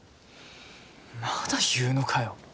まだ言うのかよ。